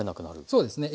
そうですね。